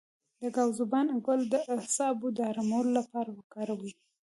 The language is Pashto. د ګاو زبان ګل د اعصابو د ارام لپاره وکاروئ